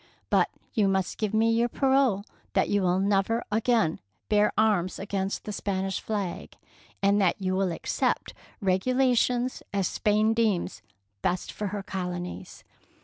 But you must give me your parole that you will never again bear arms against the Spanish flag, and that you will accept such regulations as Spain deems best for her colonies.